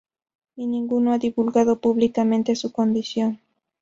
Y ninguno ha divulgado públicamente su condición.